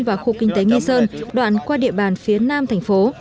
và khu kinh tế nghi sơn đoạn qua địa bàn phía nam thành phố